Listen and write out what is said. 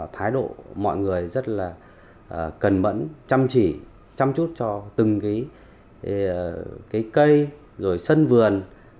thái độ mọi người rất là cẩn mẫn chăm chỉ chăm chút cho từng cây sân vườn